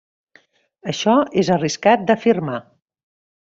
Això és arriscat d'afirmar.